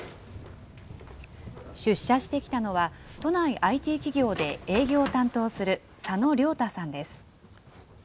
出社してきたのは、都内ＩＴ企業で営業を担当する佐野瞭太さんです。